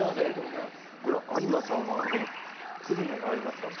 これは有馬さんはあの久留米の有馬さんで？